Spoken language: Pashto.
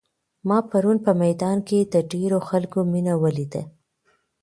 ما پرون په میدان کې د ډېرو خلکو مینه ولیده.